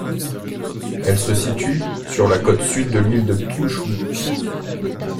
Elle se situe sur la côte Sud de l'île de Kyūshū.